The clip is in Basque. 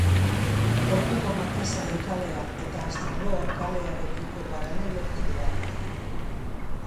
Portuko Markesaren kalea eta Astarloa kalearekiko paraleloki doa.